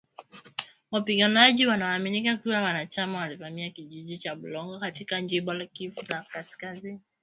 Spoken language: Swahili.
Wapiganaji wanaoaminika kuwa wanachama walivamia kijiji cha Bulongo katika jimbo la Kivu kaskazini